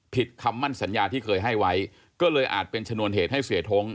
คำมั่นสัญญาที่เคยให้ไว้ก็เลยอาจเป็นชนวนเหตุให้เสียท้ง